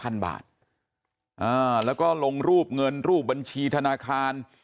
แล้วก็ลงรูปเงินรูปบัญชีธนาคาร